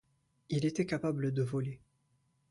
Il était capable de voler.